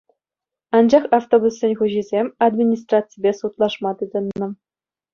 Анчах автобуссен хуҫисем администраципе судлашма тытӑннӑ.